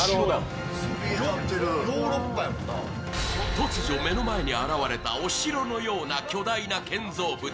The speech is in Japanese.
突如目の前に現れたお城のような巨大な建造物。